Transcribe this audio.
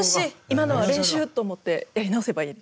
今のは練習！と思ってやり直せばいいです。